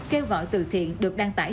kêu gọi từ thiện được đăng tải